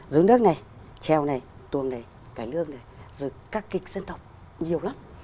dối nước này treo này tuồng này cải lương này rồi các kịch dân tộc nhiều lắm